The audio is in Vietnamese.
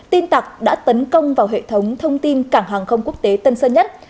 tin tặc đã tấn công vào hệ thống thông tin cảng hàng không quốc tế tân sơn nhất